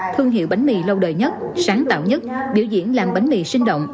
thương hiệu bánh mì lâu đời nhất sáng tạo nhất biểu diễn làm bánh mì sinh động